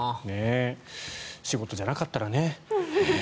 仕事じゃなかったらね。